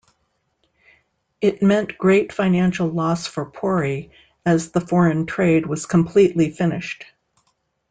It meant great financial loss for Pori as the foreign trade was completely finished.